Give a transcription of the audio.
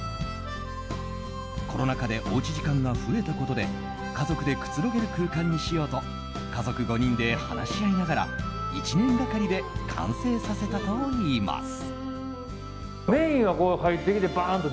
コロナ禍でおうち時間が増えたことで家族でくつろげる空間にしようと家族５人で話し合いながら１年がかりで完成させたといいます。